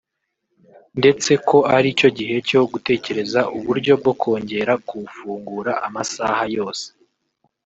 ndetse ko ari cyo gihe cyo gutekereza uburyo bwo kongera kuwufungura amasaha yose